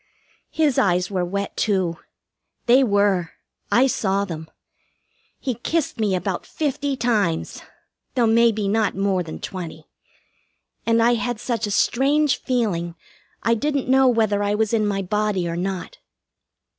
His eyes were wet, too. They were. I saw them. He kissed me about fifty times though maybe not more than twenty and I had such a strange feeling I didn't know whether I was in my body or not.